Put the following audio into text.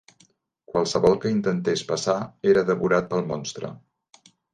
Qualsevol que intentés passar era devorat pel monstre.